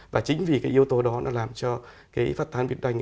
và chính vì cái yếu tố đó nó làm cho cái phát tán dịch sốt huyết đanh